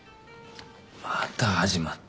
また始まった。